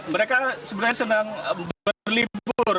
mereka sebenarnya senang berlibur